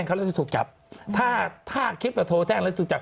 พี่พร้อมทิพย์คิดว่าคุณพิชิตคิดว่าคุณพิชิตคิดว่าคุณพิชิตคิด